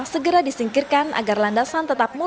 segera disingkirkan agar landasan tetap muka